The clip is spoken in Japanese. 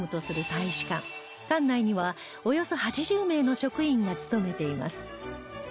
館内にはおよそ８０名の職員が勤めています